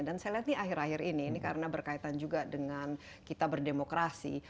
dan saya lihat ini akhir akhir ini karena berkaitan juga dengan kita berdemokrasi